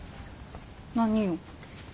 何を？